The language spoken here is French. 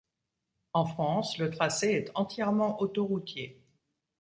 En France, le tracé est entièrement autoroutier.